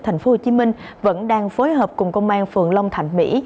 thành phố hồ chí minh vẫn đang phối hợp cùng công an phường long thạnh mỹ